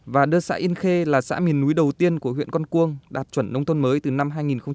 và đưa xã yên khê là xã miền núi đầu tiên của huyện con cuông đạt chuẩn nông thôn mới từ năm hai nghìn một mươi